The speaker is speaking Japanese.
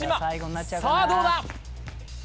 さあどうだ？